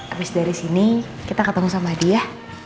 abis dari sini kita ketemu sama adi ya